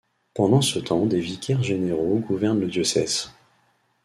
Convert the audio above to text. Pendant ce temps des vicaires généraux gouvernent le diocèse.